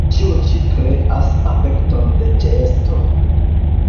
Ĉio ĉi kreas efekton de ĉeesto.